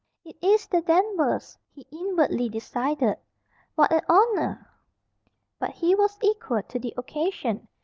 "It is the Danvers!" he inwardly decided. "What a 'oner'!" But he was equal to the occasion.